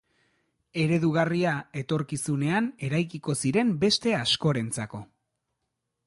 Eredugarria, etorkizunean eraikiko ziren beste askorentzako.